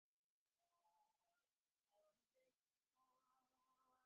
ގަންނަންޖެހޭ ތަކެއްޗާއި ޙަވާލުވެ އެތަކެތި ކައުންސިލަށް ފޮނުވުން.